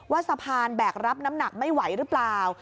สะพานแบกรับน้ำหนักไม่ไหวหรือเปล่า